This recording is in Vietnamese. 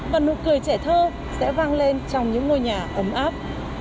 và nụ cười trẻ thơ sẽ vang lên trong những ngôi nhà ấm áp